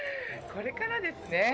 これからですね。